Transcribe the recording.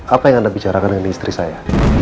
apa yang anda bicarakan dengan istri saya